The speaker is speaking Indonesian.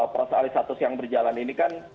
proses alih status yang berjalan ini kan